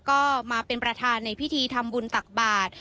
ก็มาเป็นประธานในพิธีทำบุญตักบาท